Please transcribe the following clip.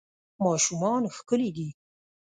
ماشومان ښکلي دي